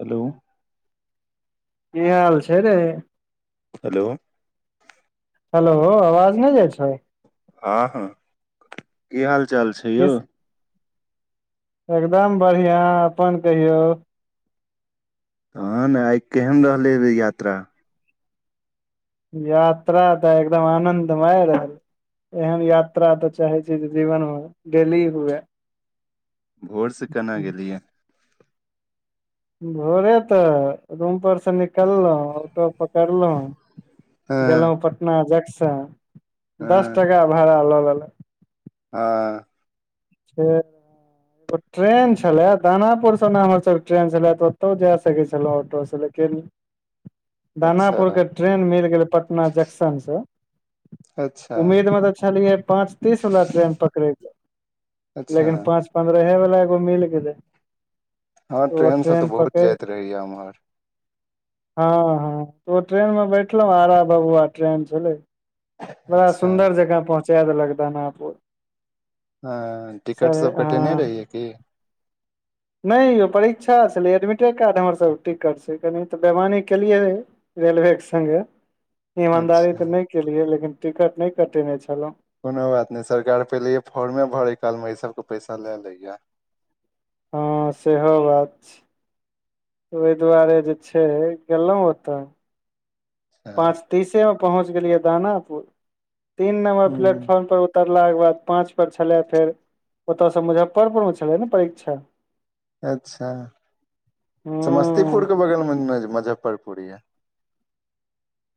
Hello कि हाल छै रे हेलो हेलो आवाज नहि जाय छौ हँ हँ की हाल चाल छै किस यौ एकदम बढ़िआँ अपन कहियौ तहन आय केहन रहलै यात्रा यात्रा तऽ एकदम आनंदमय रहल एहन यात्रा तऽ चाहै छी जे जीवन मे डेली हुए घोरसँ केना गेलियै भोरे तऽ रूम परसँ निकललहुँ ऑटो हँ पकड़लहुँ गेलहुँ पटना जंक्शन दस हँ टका भाड़ा लऽ लेलक हँ फेर ट्रेन छले दानापुर स ने हमरा सब ट्रेन छले तऽ ओतहु जाय सकै छलह ऑटो से अच्छा दानापुरके ट्रेन मिल गेलै पटना जंक्शनसँ अच्छा उम्मीद मे तऽ छलियै पाँच तीस वालला ट्रेन पकडै के अच्छा लेकिन पाँच पन्द्रहे वला एगो मिल गेलै हँ ओ ट्रेनसँ तऽ ट्रेन बहुत पकड़ जाइत रहैए एम्हर हँ हँ ओ ट्रेन मे बैठलौं आरा भबुआ ट्रेन छलै बड़ा अच्छा सुंन्दर जकाँ पहुँचा देलक दानापुर हँ टिकट सर सब कटेने हँ रहियै की [inaudible] नहि यौ परीक्षा छलै एडमिटे कार्ड हमर सब टिकट छै कनि तऽ बेैमानी केलियै रेलवे के सङ्गे ईमानदारी अच्छा तऽ नहि केलियै लेकिन टिकट नहि कटेने छलहुँ कोनो बात नहि सरकार पहिलैये फॉर्मे भरै कालमे एहि सबके पैसा लए लैये हँ सेहो बात छै ओहि दुआरे जे छै गेलहुँ ओतऽ हँ पाँच तीसे मे पहुँच गेलियै दानापुर तीन नंबर हूँ प्लेटफॉर्म पर उत तरलाके बाद पाँच पर छलै फेर ओतयसँ मुजफ्फरपुर मे छलै ने परीक्षा अच्छा समस्तीपुरके हूँ बगलमे ने मुजफ्फरपुर यऽ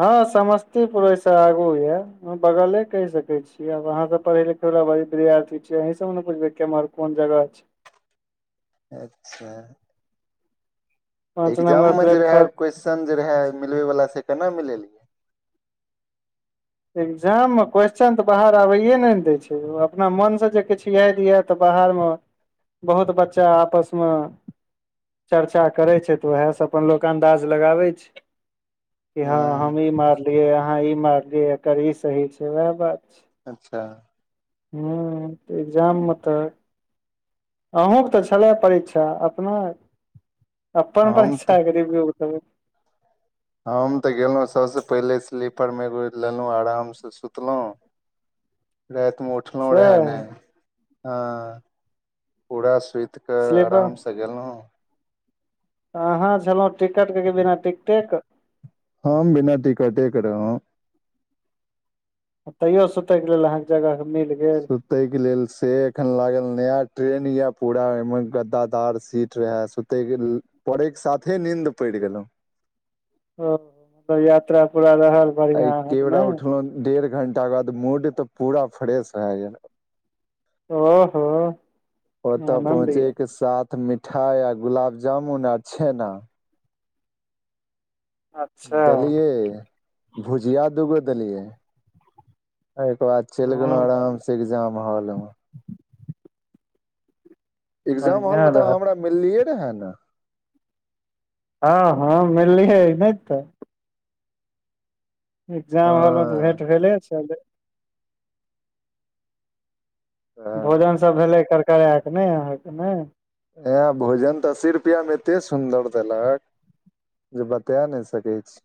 हँ समस्तीपुर से आगू ये बगले कहि सकैत छी छी आब अहाँ सब पढ़ै लिखैबला विद्यार्थि छी अहीं सब ने कहबै जे केम्हर कोन जगह छै अच्छा पाँच एग्जाम नम्बर मे जे रहै प्लेटफॉर्म क्वेेशस्चन जे रहै मिलबै वला से केना मिलेलियै एग्जाम मे क्वेेश्चन तऽ बाहर आबैए नहि ने दय छै अपना मन से जे किछु यादि ये तऽ बाहर मे बहुत बच्चा आपस मे चर्चा करै छै तऽ उएह से अपन लोक अन्दाज लगाबै छै कि हँ हम ई मारलियै अहाँ ई मारलियै एकर ई सही छै उएह बात छै अच्छा हूंम्म इग्जाम मे तऽ अहूँके तऽ छलै परीक्षा अपनो अपन हम तऽ परीक्षाके रिव्यू देबै हम तऽ गेलहुँ सबसे पहिले स्लीपर मे बेड लेलहुँ आराम से सुतलहुँ राति मे उठलौं रहे सैह नहि हँ पूरा सुति कऽ स्लीपर आराम से तऽ गेलौं अहाँ छलहुँ टिकटके की बिना टिकटेके हमँ बिना टिकटे के रहौं तैयो सुतय के लेल अहाँके जगह मिल गेल सुत तहि के लेल से एखन लागल नया ट्रेन ये पूरा ओइमे गद्दादार सीट रैहे सुत तइ पड़े के साथे नीन्द पड़ि गेलौं ओ तब यात्रा पूरा रहल आय बढ़िया एके अहाँके बेरा ने उठलहुँ डेढ़ घंटाके बाद मूड तऽ पूरा फ्रेश भए गेल ओहो ओतऽ आनन्द पहुँचे य के साथ मिठाइ आ गुलाब जामुन आ छेना अच्छा देलियै भुजिया दूगो देलियै ओइके बाद चलि गेलहुँ हँ आराम सँ एग्जाम हौल मऽ एग्जाम हॉल बढ़िया मे तऽ रहल अहाँ हमरा मिललियै रहे न हँ हँ मिललियै नहि तऽ एग्जाम हॉल मे तऽ भेट भेले छलै ह भोजन सब भेलै करकरायकेँ नहि अहाँके नहि एह भोजन तऽ अस्सी रुपैयामे एतेक सुन्दर देलक जे बता नहि सकै छी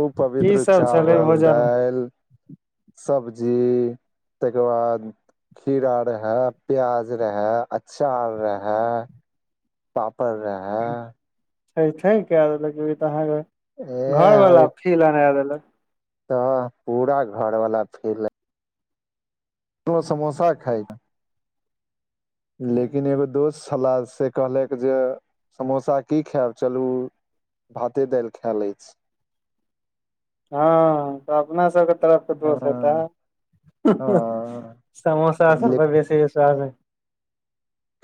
ओ की पवित्र सब छलै चावल भोजन दालि सब्जी ताहिके बाद खीरा रहै प्याज रहै अचार रहै पापड़ रहै थैय थैय कैय देलक ई तऽ अहाँक एह होय घरवला फील अना देलक तऽ पूरा घर वाला फिल उहो समोसा खाय यऽ लेकिन एगो दोस्त छला से कहलक जे समोसा की खायब चलू भाते दालि खाय लै छी [inaudible] हँ तऽ अपना सबके तरफ के हँ दोष हेता हँ समोसा सब ले बेसी विश्वास नइ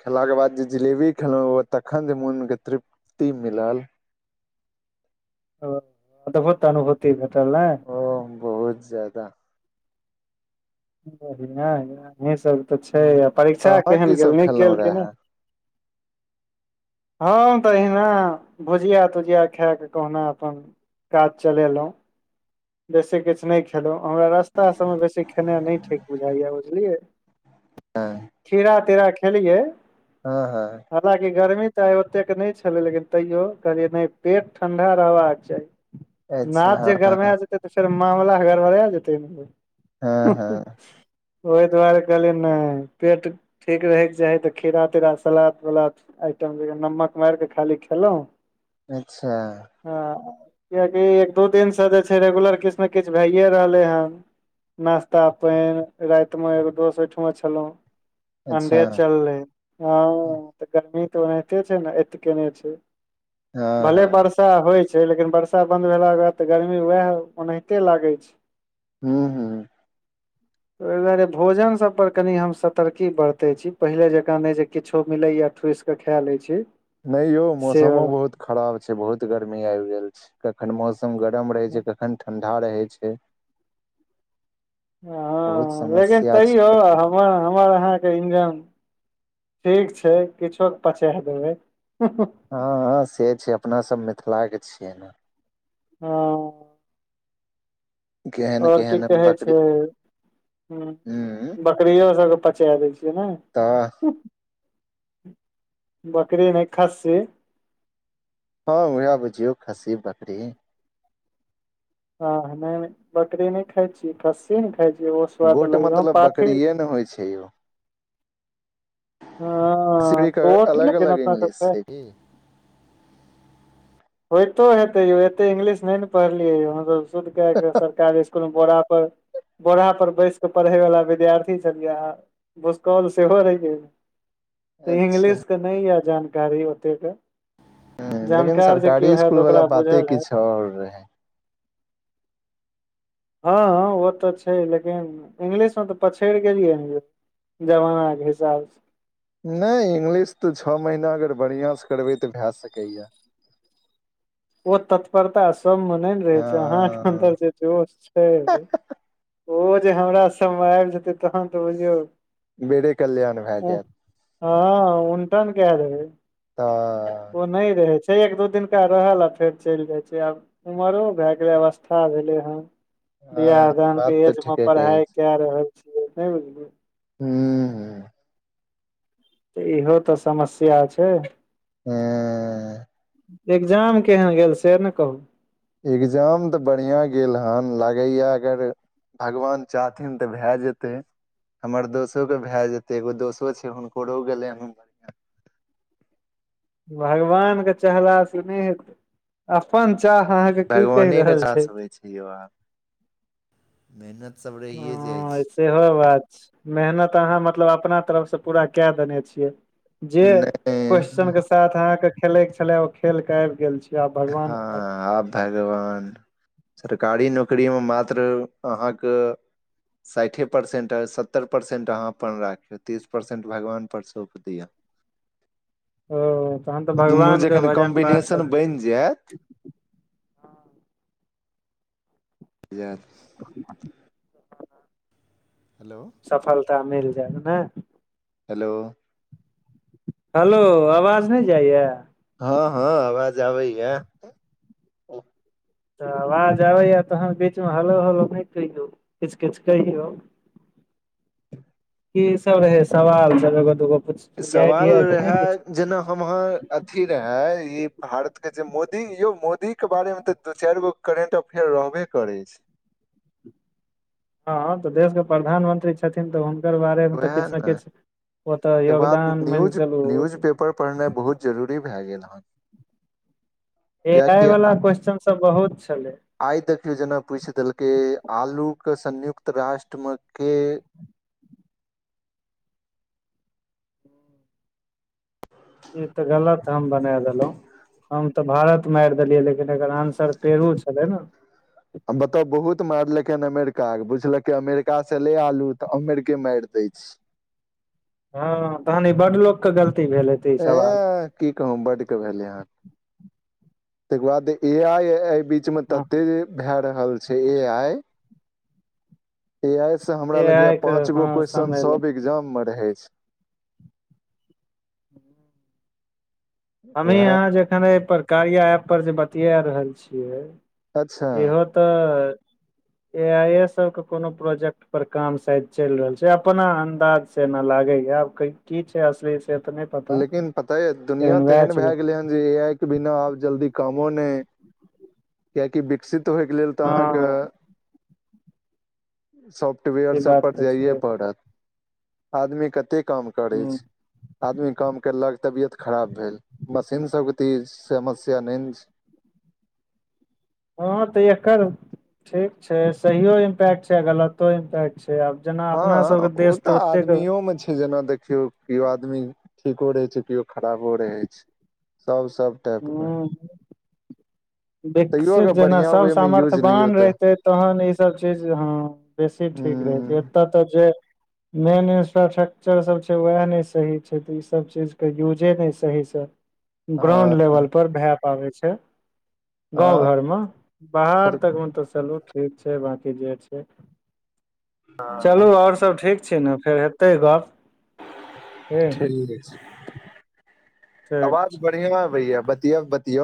खेलाके बाद जे जिलेबी खेलहुँ ओ तखन जे मोनके तृप्ति मिलल ओ अदभूत अनुभुति भेटल नय ओ बहुत ज्यदा बढ़िया य अहि सब तऽ छै आ परीक्षा अहाँ की केहन गेल सब नीक खेलहुँ गेल कि नहि रहे हँ तहिना भुजिया तुजिया खाए कऽ कहुना अपन काज चलेलहुँ बेसी किछ नहि खेलौ हमरा रास्ता सबमे बेसी खेनाइ नहि ठीक बुझाइ य बुझलियै हँ खीरा तीरा खेलियै हँ हँ हालकि गर्मी तऽ आइ ओतेक नहि छलै लेकिन तैयो कहलियै नहि पेट ठंडा रहबाक चाही अच्छा नाद हँ जे गरमैय जेतै तऽ फेर मामला गरबरेय जेतै न हँ हँ यै ओहि दुआरे कहलियै नहि पेट ठीक रहैके चाही तऽ खीरा तीरा सलाद उलाद आइटम जेना नमक मारि कऽ खाली खेलहुँ अच्छा हँ कियकि एक दू दिनसँ जे छै रेगुलर किछ ने किछ भैए रहले हन नाश्ता पाइन राइत म एगो दोस्त ओहिठमा छलहुँ अंडे अच्छा चललै हँ तऽ गर्मी तऽ ओनाहिते छै नऽ एत केने छै हँ भले हँ बर्षा होइ छै लेकिन बर्षा बन्द भेलाकेँ बाद तऽ गरमी वएह ओनाहिते लागै छै हूँ हूँ [inaudible] ओहि दुआरे भोजन सब पर कनी हम सतर्की बरते छी पहिले जकाँ नहि जे किछो मिलेया ठुस के खा लै छी नहि यौ से मौसमो वला बहुत खराब छै बहुत गर्मी आबि गेल छै कखन मौसम गरम रहै हँ छै कखन ठंडा रहै छै बहुत हँ लेकिन समस्या छै तैयो हमर हमर अहाँके इंजन ठीक छै किछु पचा देबै हँ हँ से छै अपनासभ मिथिलाके छियै ने हँ केहन आओर की केहन कहै छै बकरी ह बकरियो सबके पचा दै छियै ने त्ताअ बकरी नहि खास्सी हँ उएह बुझियौ खस्सी बकरी हँ नहि नय बकरी नहि खााय छी खस्सी ने खााय छी ओहो स्वाद गोट अग मतलब पा बकरिए होइ छै यौ हँ [unintelligible] गोट अलग लेकिन अलग अपना इंग्लिश सबके छै कि होइतो हेतै यौ एते इंगलिश नहि ने पढ़लियै य हमसभ शुद्ध क क सरकारी कोनो बोरा पर बोरा पर बैसके पढ़े वाल्ला विद्यार्थी छलियै भुसकॉल से हो रहै ये त अच्छा इंग्लिश के नहि यऽ जानकारी ओतेक के जानकार जे केओ श्री हैत स्कुल वला ओकरा बाते बुझल हैत किछु आओर रहे हँ हँ ओ तऽ छै लेकिन इंग्लिशमे तऽ पछड़ि गेलियै न यौ जमाना के हिसाब नहि इंग्लिश तऽ छो महीना अगर बढ़िआंसँ करबै तऽ भए सकैया ओ तत्परता सब में नहि ने रहे छै अहा के अतर हँ जोश छै ओ जे हमरा सबमे आबि जेतै तहन तऽ बुझियौ बेरे कल्याण भए जायत ह उटान के देबै तऽ ओ नहि रहै छै एक दू दिनका रहल आ फेर चलि जाइ छै आब उमरो भएके अवस्था भेलै हन बियाह हँ दान के बात तऽ एज मे ठीके कहै पढ़ाइ छी क रहल छियै नहि बुझलियै हू इहो तऽ समस्या छै ह एग्जाम केहन गेल से ने कहू एग्जाम तऽ बढ़िया गेल हन लागैया अगर भगवान चाहथिन तऽ भै जेतै हमर दोसो के भए जेते एगो दोसो छै हुनकरो गेलै ह भगवानके चहला से नहि हेतै अपन चाह अहाँके की कहि भगवानेके रहल छै साथ होइ मेहनत सब रहै जाइ हँ छै सेहो बात छै मेहनत अहाँ मतलब अपना तरफ से पूरा कै देने छियै जे नहि क्वेस्चनके साथ अहाँके खेलयके छलै ओ खेलके आबि गेल छी आ हँ भगवानके ब आब भगवान सरकारी नौकरीमे मात्र अहाँके साठि परसेंट आ सत्तर परसेंट अहाँ अपन राख तीस परसेंट भगवान पर सौप दिअ [inaudible] ओ तन तऽ दुनू भगवानके जखन भजन पाठ कॉम्बिनेशन सभ [inaudible] बनि जायत [unintelligible] [inaudible] हेलो सफलता मिल जाइत न हेलो हेलो आवाज नहि जाइए हँ हँ आवाज आबै या तऽ आवाज आबैया तहन बीचमे हलो हलो नहि कहियौ किछ किछ कहियौ [inaudible] की सब रहे सवाल सब एगो दूगो पुछ सवाल रहए जेना हम अहाँ अथी रहे ई भारत के जे मोदी यौ मोदी के बारे मे तऽ दू चार गो करेंट अफेयर रहबे करै छै हँ तऽ देश के प्रधानमंत्री छथिन तऽ हुनकर बारेमे तऽ किछ ने किछ ओतऽ तकर बाद योगदान मान क न्यूज चलू न्यूज पेपर पढ़नाइ बहुत जरूरी भै गेल हेन ए आइ वालला क्वेश्चन सब बहुत छलै आइ देखियौ जेना पूछि देलकै आलू के संयुक्त राष्ट्रमे के ई तऽ गलत हम बना देलहुं हम तऽ भारत मारि देलियै लेकिन एकर आंसर पेरू छलै ने हम बताउ बहुत मारलक हन अमेरिका के बुझलक अमेरिका से ले आलू तऽ अमेरिके मारि दै छी हँ तहन ई बड लोक के गलती भेलै ए की कहू बड के भेले हन [inaudible] त इ के बाद ए आइ बीच में हँ तते जे भए रहल छै ए आइ ए आई से हमरा ए लगेया आइ के पांच गो हँ क्वेश्चन समय ले सब एग्जाम में रहै छै [inaudible] हमही वएह यहाँ जखन कारिया ऐप पर जे बतिया रहल छियै अच्छा से [inaudible] इहो तऽ ऐ आइ सब के कोनो प्रोजेक्ट पर काम शायद चल रहल छै अपना अन्दाज जेना लागेया आब की छै असली से नाहि लेकिन पता ये दुनिया तेहन भै गेलै हन ए आई के बिना आब जल्दी कामो ने [inaudible] किया कि बिक विकसित होइके लेल तऽ अहाँके हँ सॉफ्टवेयर ई बात सभपर तऽ जाइए छै पड़त [inaudible] आदमी कते काम करै ह छै आदमी काम करलक तबियत खराब भेल मशीन सबके तऽ ई समस्या नहि ने छे हँ तऽ एकर ठीक छै सहियो इम्पैक्ट छै आ गलतो इम्पैक्ट छै आब जेना अपना हँ सबके ओ देश तऽ ओतेक ह आदमियो मे छै जेना देखियौ केओ आदमी ठीको रहैत छै केओ खराबो रहै छै सभ सभ टाइपके विकसित अगर जेना बढ़िया सब वे मे यूज लियौ सामर्थ्यवान तऽ रहतै तहन ईसभ चीज हँ बेसी ह ठीक रहै छै एतय तऽ जे मेन इंफ्रास्ट्रक्चर सब छै वएह ने सही छै ते इ सब चीज के यूजे ने सही स ग्राउंड हँ लेवल पर भै पावै छै गाँंव हँ घर मे बाहर सर तकमे तऽ चलू ठीक छै बकी जे छै [inaudible] चलू और सब ठीक छै ने फेर हेतै गप। [unintelligible] ठीक आवाज बढ़ियाॅं आबैया, बतियाएब तॅं बतियौ